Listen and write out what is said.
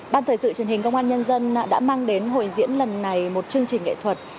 ban thời sự truyền hình công an nhân dân đã mang đến hội diễn lần này một chương trình nghệ thuật